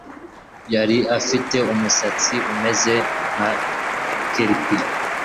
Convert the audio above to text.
Yari afite umusatsi umeze nka kelp